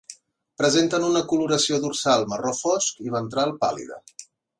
Presenten una coloració dorsal marró fosc i ventral pàl·lida.